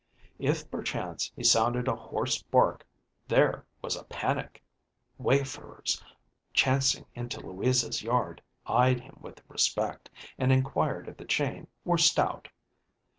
If perchance he sounded a hoarse bark, there was a panic. Wayfarers chancing into Louisa's yard eyed him with respect, and inquired if the chain were stout.